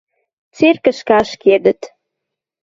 Церкӹшкӹ ашкедӹт